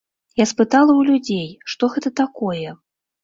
Я спытала ў людзей, што гэта такое.